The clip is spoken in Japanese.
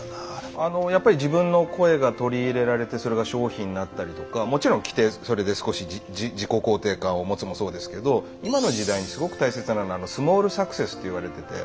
あのやっぱり自分の声が取り入れられてそれが商品になったりとかもちろん着てそれで少し自己肯定感を持つもそうですけど今の時代にすごく大切なのはスモールサクセスと言われてて。